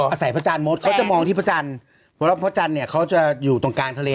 พระอาจารย์มดเขาจะมองที่พระจันทร์เพราะพระจันทร์เนี่ยเขาจะอยู่ตรงกลางทะเล